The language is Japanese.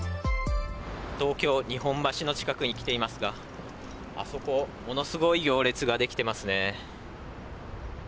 東京・日本橋の近くに来ていますがあそこ、ものすごい行列ができていますね。